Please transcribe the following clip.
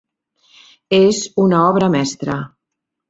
És una obra mestra.